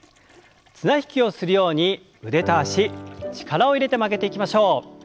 綱引きをするように腕と脚力を入れて曲げていきましょう。